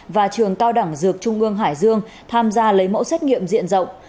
và trường cao đẳng dược trung ương hải dương tham gia lấy mẫu xét nghiệm diện rộng